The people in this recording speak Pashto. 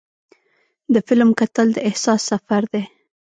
د فلم کتل د احساس سفر دی.